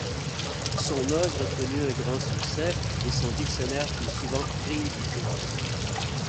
Son œuvre connut un grand succès et son dictionnaire fut souvent réédité.